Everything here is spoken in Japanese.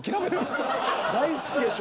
大好きでしょ。